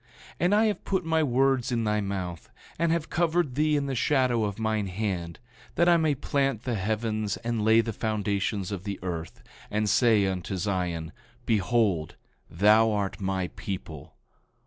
8:16 And I have put my words in thy mouth, and have covered thee in the shadow of mine hand, that I may plant the heavens and lay the foundations of the earth, and say unto Zion: Behold, thou art my people.